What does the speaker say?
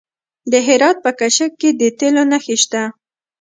د هرات په کشک کې د تیلو نښې شته.